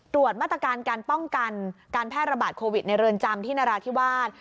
มาตรการการป้องกันการแพร่ระบาดโควิดในเรือนจำที่นราธิวาส